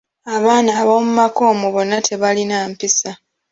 Abaana abomu maka omwo bonna tebalina mpisa.